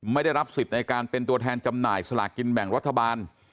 ไม่ได้รับสิทธิ์ในการเป็นตัวแทนจำหน่ายสลากินแบ่งรัฐบาล